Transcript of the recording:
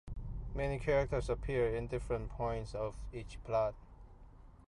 Many characters appear in different points of each plot.